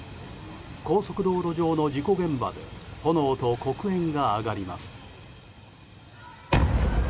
高速道路上の事故現場で炎と黒煙が上がります。